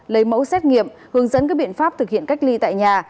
lấy mẫu xét nghiệm hướng dẫn các biện pháp thực hiện cách ly tại nhà